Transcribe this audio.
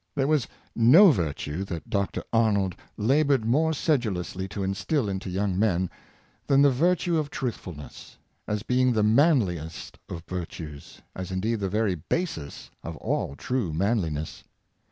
There was no virtue that Dr. Arnold labored more sedulously to instill into young men than the virtue of truthfulness, as being the manliest of virtues, as indeed the very basis of all true manliness.